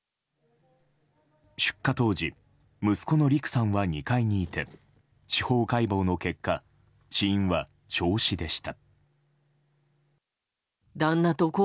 出火当時、息子の陸さんは２階にいて司法解剖の結果死因は焼死でした。